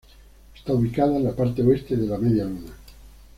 Está ubicada en la parte oeste de la medialuna.